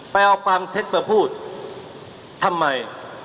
ไปเอาความเท็จมาพูดทำไม